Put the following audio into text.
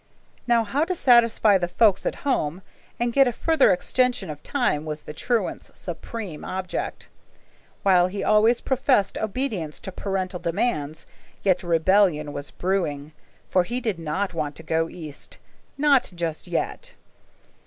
Now how to satisfy the folks at home and get a further extension of time was the truant's supreme object. While he always professed obedience to parental demands, yet rebellion was brewing, for he did not want to go East not just yet.